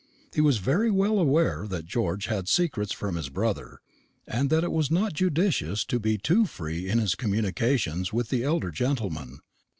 He was very well aware that George had secrets from his brother, and that it was not judicious to be too free in his communications to the elder gentleman.